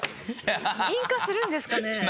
引火するんですかね？